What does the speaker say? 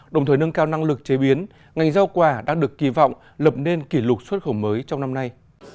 đồng thời nâng cao năng lực chế biến ngành giao quả đang được kỳ vọng lập nên kỷ lục xuất khẩu mới trong năm nay